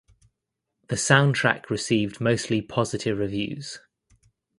The soundtrack received mostly positive reviews.